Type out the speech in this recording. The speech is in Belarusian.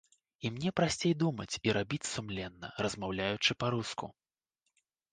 І мне прасцей думаць і рабіць сумленна, размаўляючы па-руску.